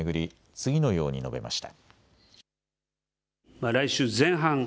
次のように述べました。